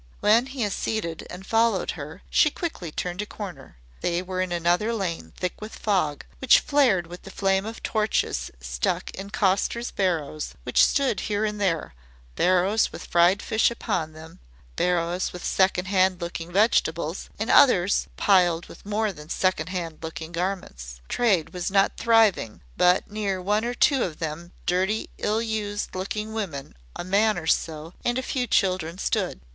When he acceded and followed her, she quickly turned a corner. They were in another lane thick with fog, which flared with the flame of torches stuck in costers' barrows which stood here and there barrows with fried fish upon them, barrows with second hand looking vegetables and others piled with more than second hand looking garments. Trade was not driving, but near one or two of them dirty, ill used looking women, a man or so, and a few children stood.